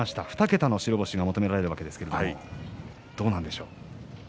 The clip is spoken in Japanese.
２桁の白星が求められるわけですが、どうなんでしょう？